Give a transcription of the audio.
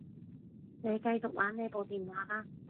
你繼續玩你部電話啦